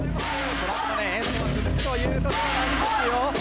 このあとも演奏は続くということなんですよ。